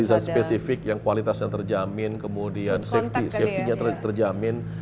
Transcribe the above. dengan design spesifik yang kualitasnya terjamin kemudian safetynya terjamin